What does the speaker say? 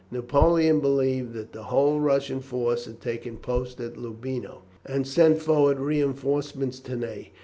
Napoleon believed that the whole Russian force had taken post at Loubino, and sent forward reinforcements to Ney.